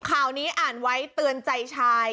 ข่าวนี้อ่านไว้เตือนใจชาย